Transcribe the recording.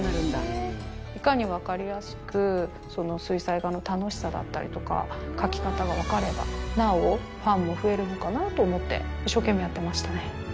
いかに分かりやすく水彩画の楽しさだったりとか描き方が分かればなおファンも増えるのかなと思って一生懸命やってましたね。